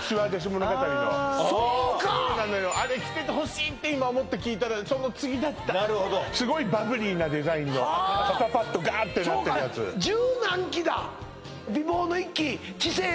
そうかそうなのよあれ着ててほしいって今思って聞いたらその次だったすごいバブリーなデザインの肩パットガッてなってるやつねえねえなあ